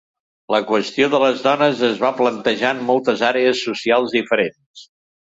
La qüestió de les dones es va plantejar en moltes àrees socials diferents.